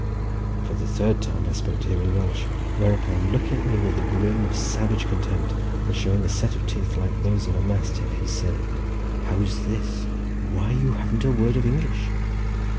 For the third time I spoke to him in Welsh, whereupon, looking at me with a grin of savage contempt, and showing a set of teeth like those of a mastiff, he said, "How's this? why, you haven't a word of English!